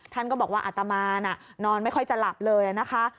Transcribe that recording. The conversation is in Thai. ท่านก็บอกว่าอัตมานอนไม่ค่อยจะหลับเลยนะคะ